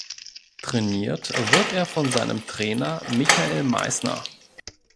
Trainiert wird er von seinem Trainer Michael Meißner.